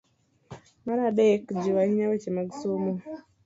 Mar adek, jiwo ahinya weche mag somo